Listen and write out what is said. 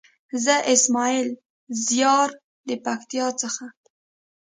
زه اسماعيل زيار د پکتيا څخه.